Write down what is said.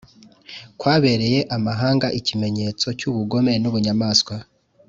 kwabereye amahanga ikimenyetso cy'ubugome n'ubunyamaswa